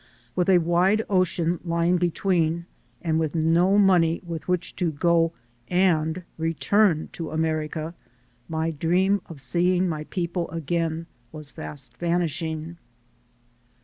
With a wide ocean lying between, and with no money with which to go and return to America, my dream of seeing my people again was fast vanishing.